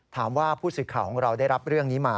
ผู้สื่อข่าวของเราได้รับเรื่องนี้มา